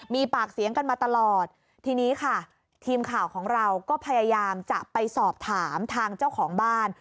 มีปากเสียงกันมาตลอดทีนี้ค่ะทีมข่าวของเราก็พยายามจะไปสอบถามทางเจ้าของบ้าน